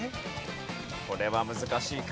これは難しいか？